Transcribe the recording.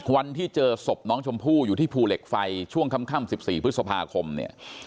วันที่เจอศพน้องชมพู่อยู่ที่ภูเหล็กไฟช่วงค่ำ๑๔พฤษภาคมเนี่ย